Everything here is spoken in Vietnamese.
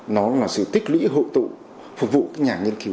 nó là sự tích lũy hộ tụ phục vụ các nhà nghiên cứu